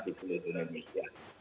di seluruh indonesia